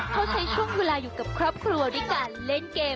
เขาใช้ช่วงเวลาอยู่กับครอบครัวด้วยการเล่นเกม